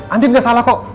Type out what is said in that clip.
andi gak salah kok